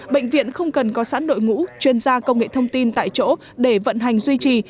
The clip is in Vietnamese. bệnh viện không cần có sẵn đội ngũ chuyên gia công nghệ thông tin tại chỗ để vận hành duy trì